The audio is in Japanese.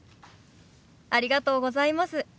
ありがとうございます。